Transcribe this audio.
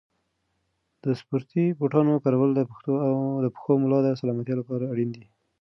د سپورتي بوټانو کارول د پښو او ملا د سلامتیا لپاره اړین دي.